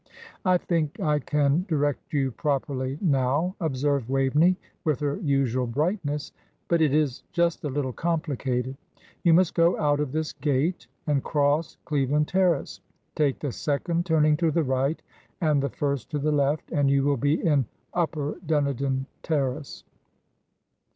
"I think I can direct you properly now," observed Waveney, with her usual brightness; "but it is just a little complicated. You must go out of this gate, and cross Cleveland Terrace, take the second turning to the right, and the first to the left, and you will be in Upper Dunedin Terrace."